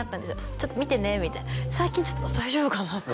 「ちょっと見てね」みたいな最近ちょっと「大丈夫かな？」